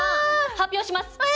発表します！